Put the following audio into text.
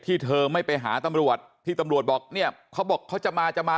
เธอไม่ไปหาตำรวจที่ตำรวจบอกเนี่ยเขาบอกเขาจะมาจะมา